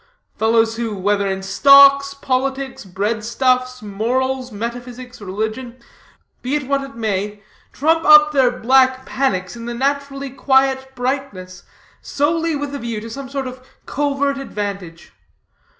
Fellows who, whether in stocks, politics, bread stuffs, morals, metaphysics, religion be it what it may trump up their black panics in the naturally quiet brightness, solely with a view to some sort of covert advantage.